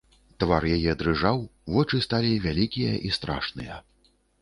Твар у яе дрыжаў, вочы сталі вялікія і страшныя.